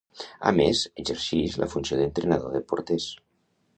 A més, exercix la funció d'entrenador de porters.